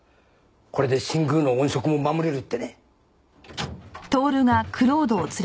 これで新宮の音色も守れるってね。